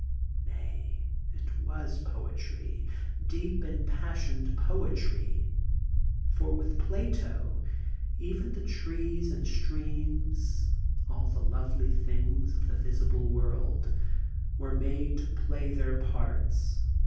* Nay, it was poetry I deep, impassioned poetry 1 for with Plato, even the trees and streams, all the lovely things of the visible world, were made to play their parts.